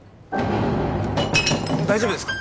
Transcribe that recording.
大丈夫ですか？